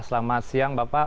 selamat siang bapak